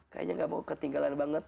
kayaknya gak mau ketinggalan banget